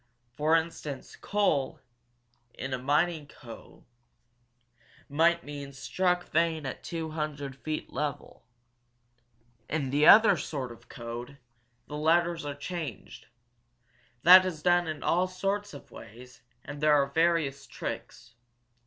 For instance Coal, in a mining code, might mean 'struck vein at two hundred feet level.' In the other sort of code, the letters are changed. That is done in all sorts of ways, and there are various tricks.